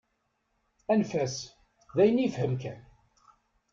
Anef-as, d ayen i yefhem kan.